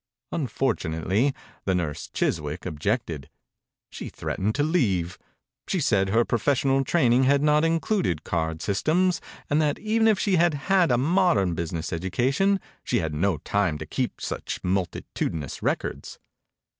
Unfortunately, the nurse, Chiswick, objected. She threat ened to leave. She said her professional training had not included card systems, and that even if she had had a modern business education, she had no time to keep such multitudi nous records.